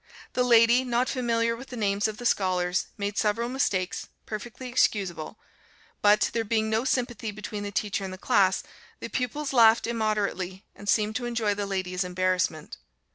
The lady, not familiar with the names of the scholars, made several mistakes, (perfectly excusable); but, there being no sympathy between the teacher and the class, the pupils laughed immoderately, and seemed to enjoy the lady's embarrassment.